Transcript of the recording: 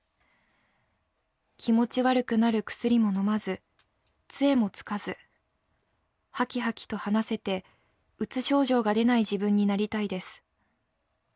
気持ち悪くなる薬も飲まず杖もつかずハキハキと話せてうつ症状が出ない自分になりたいです。